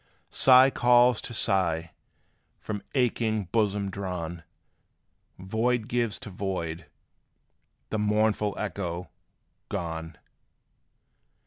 Sigh calls to sigh, from aching bosoms drawn. Void gives to void the mournful echo, "_gone!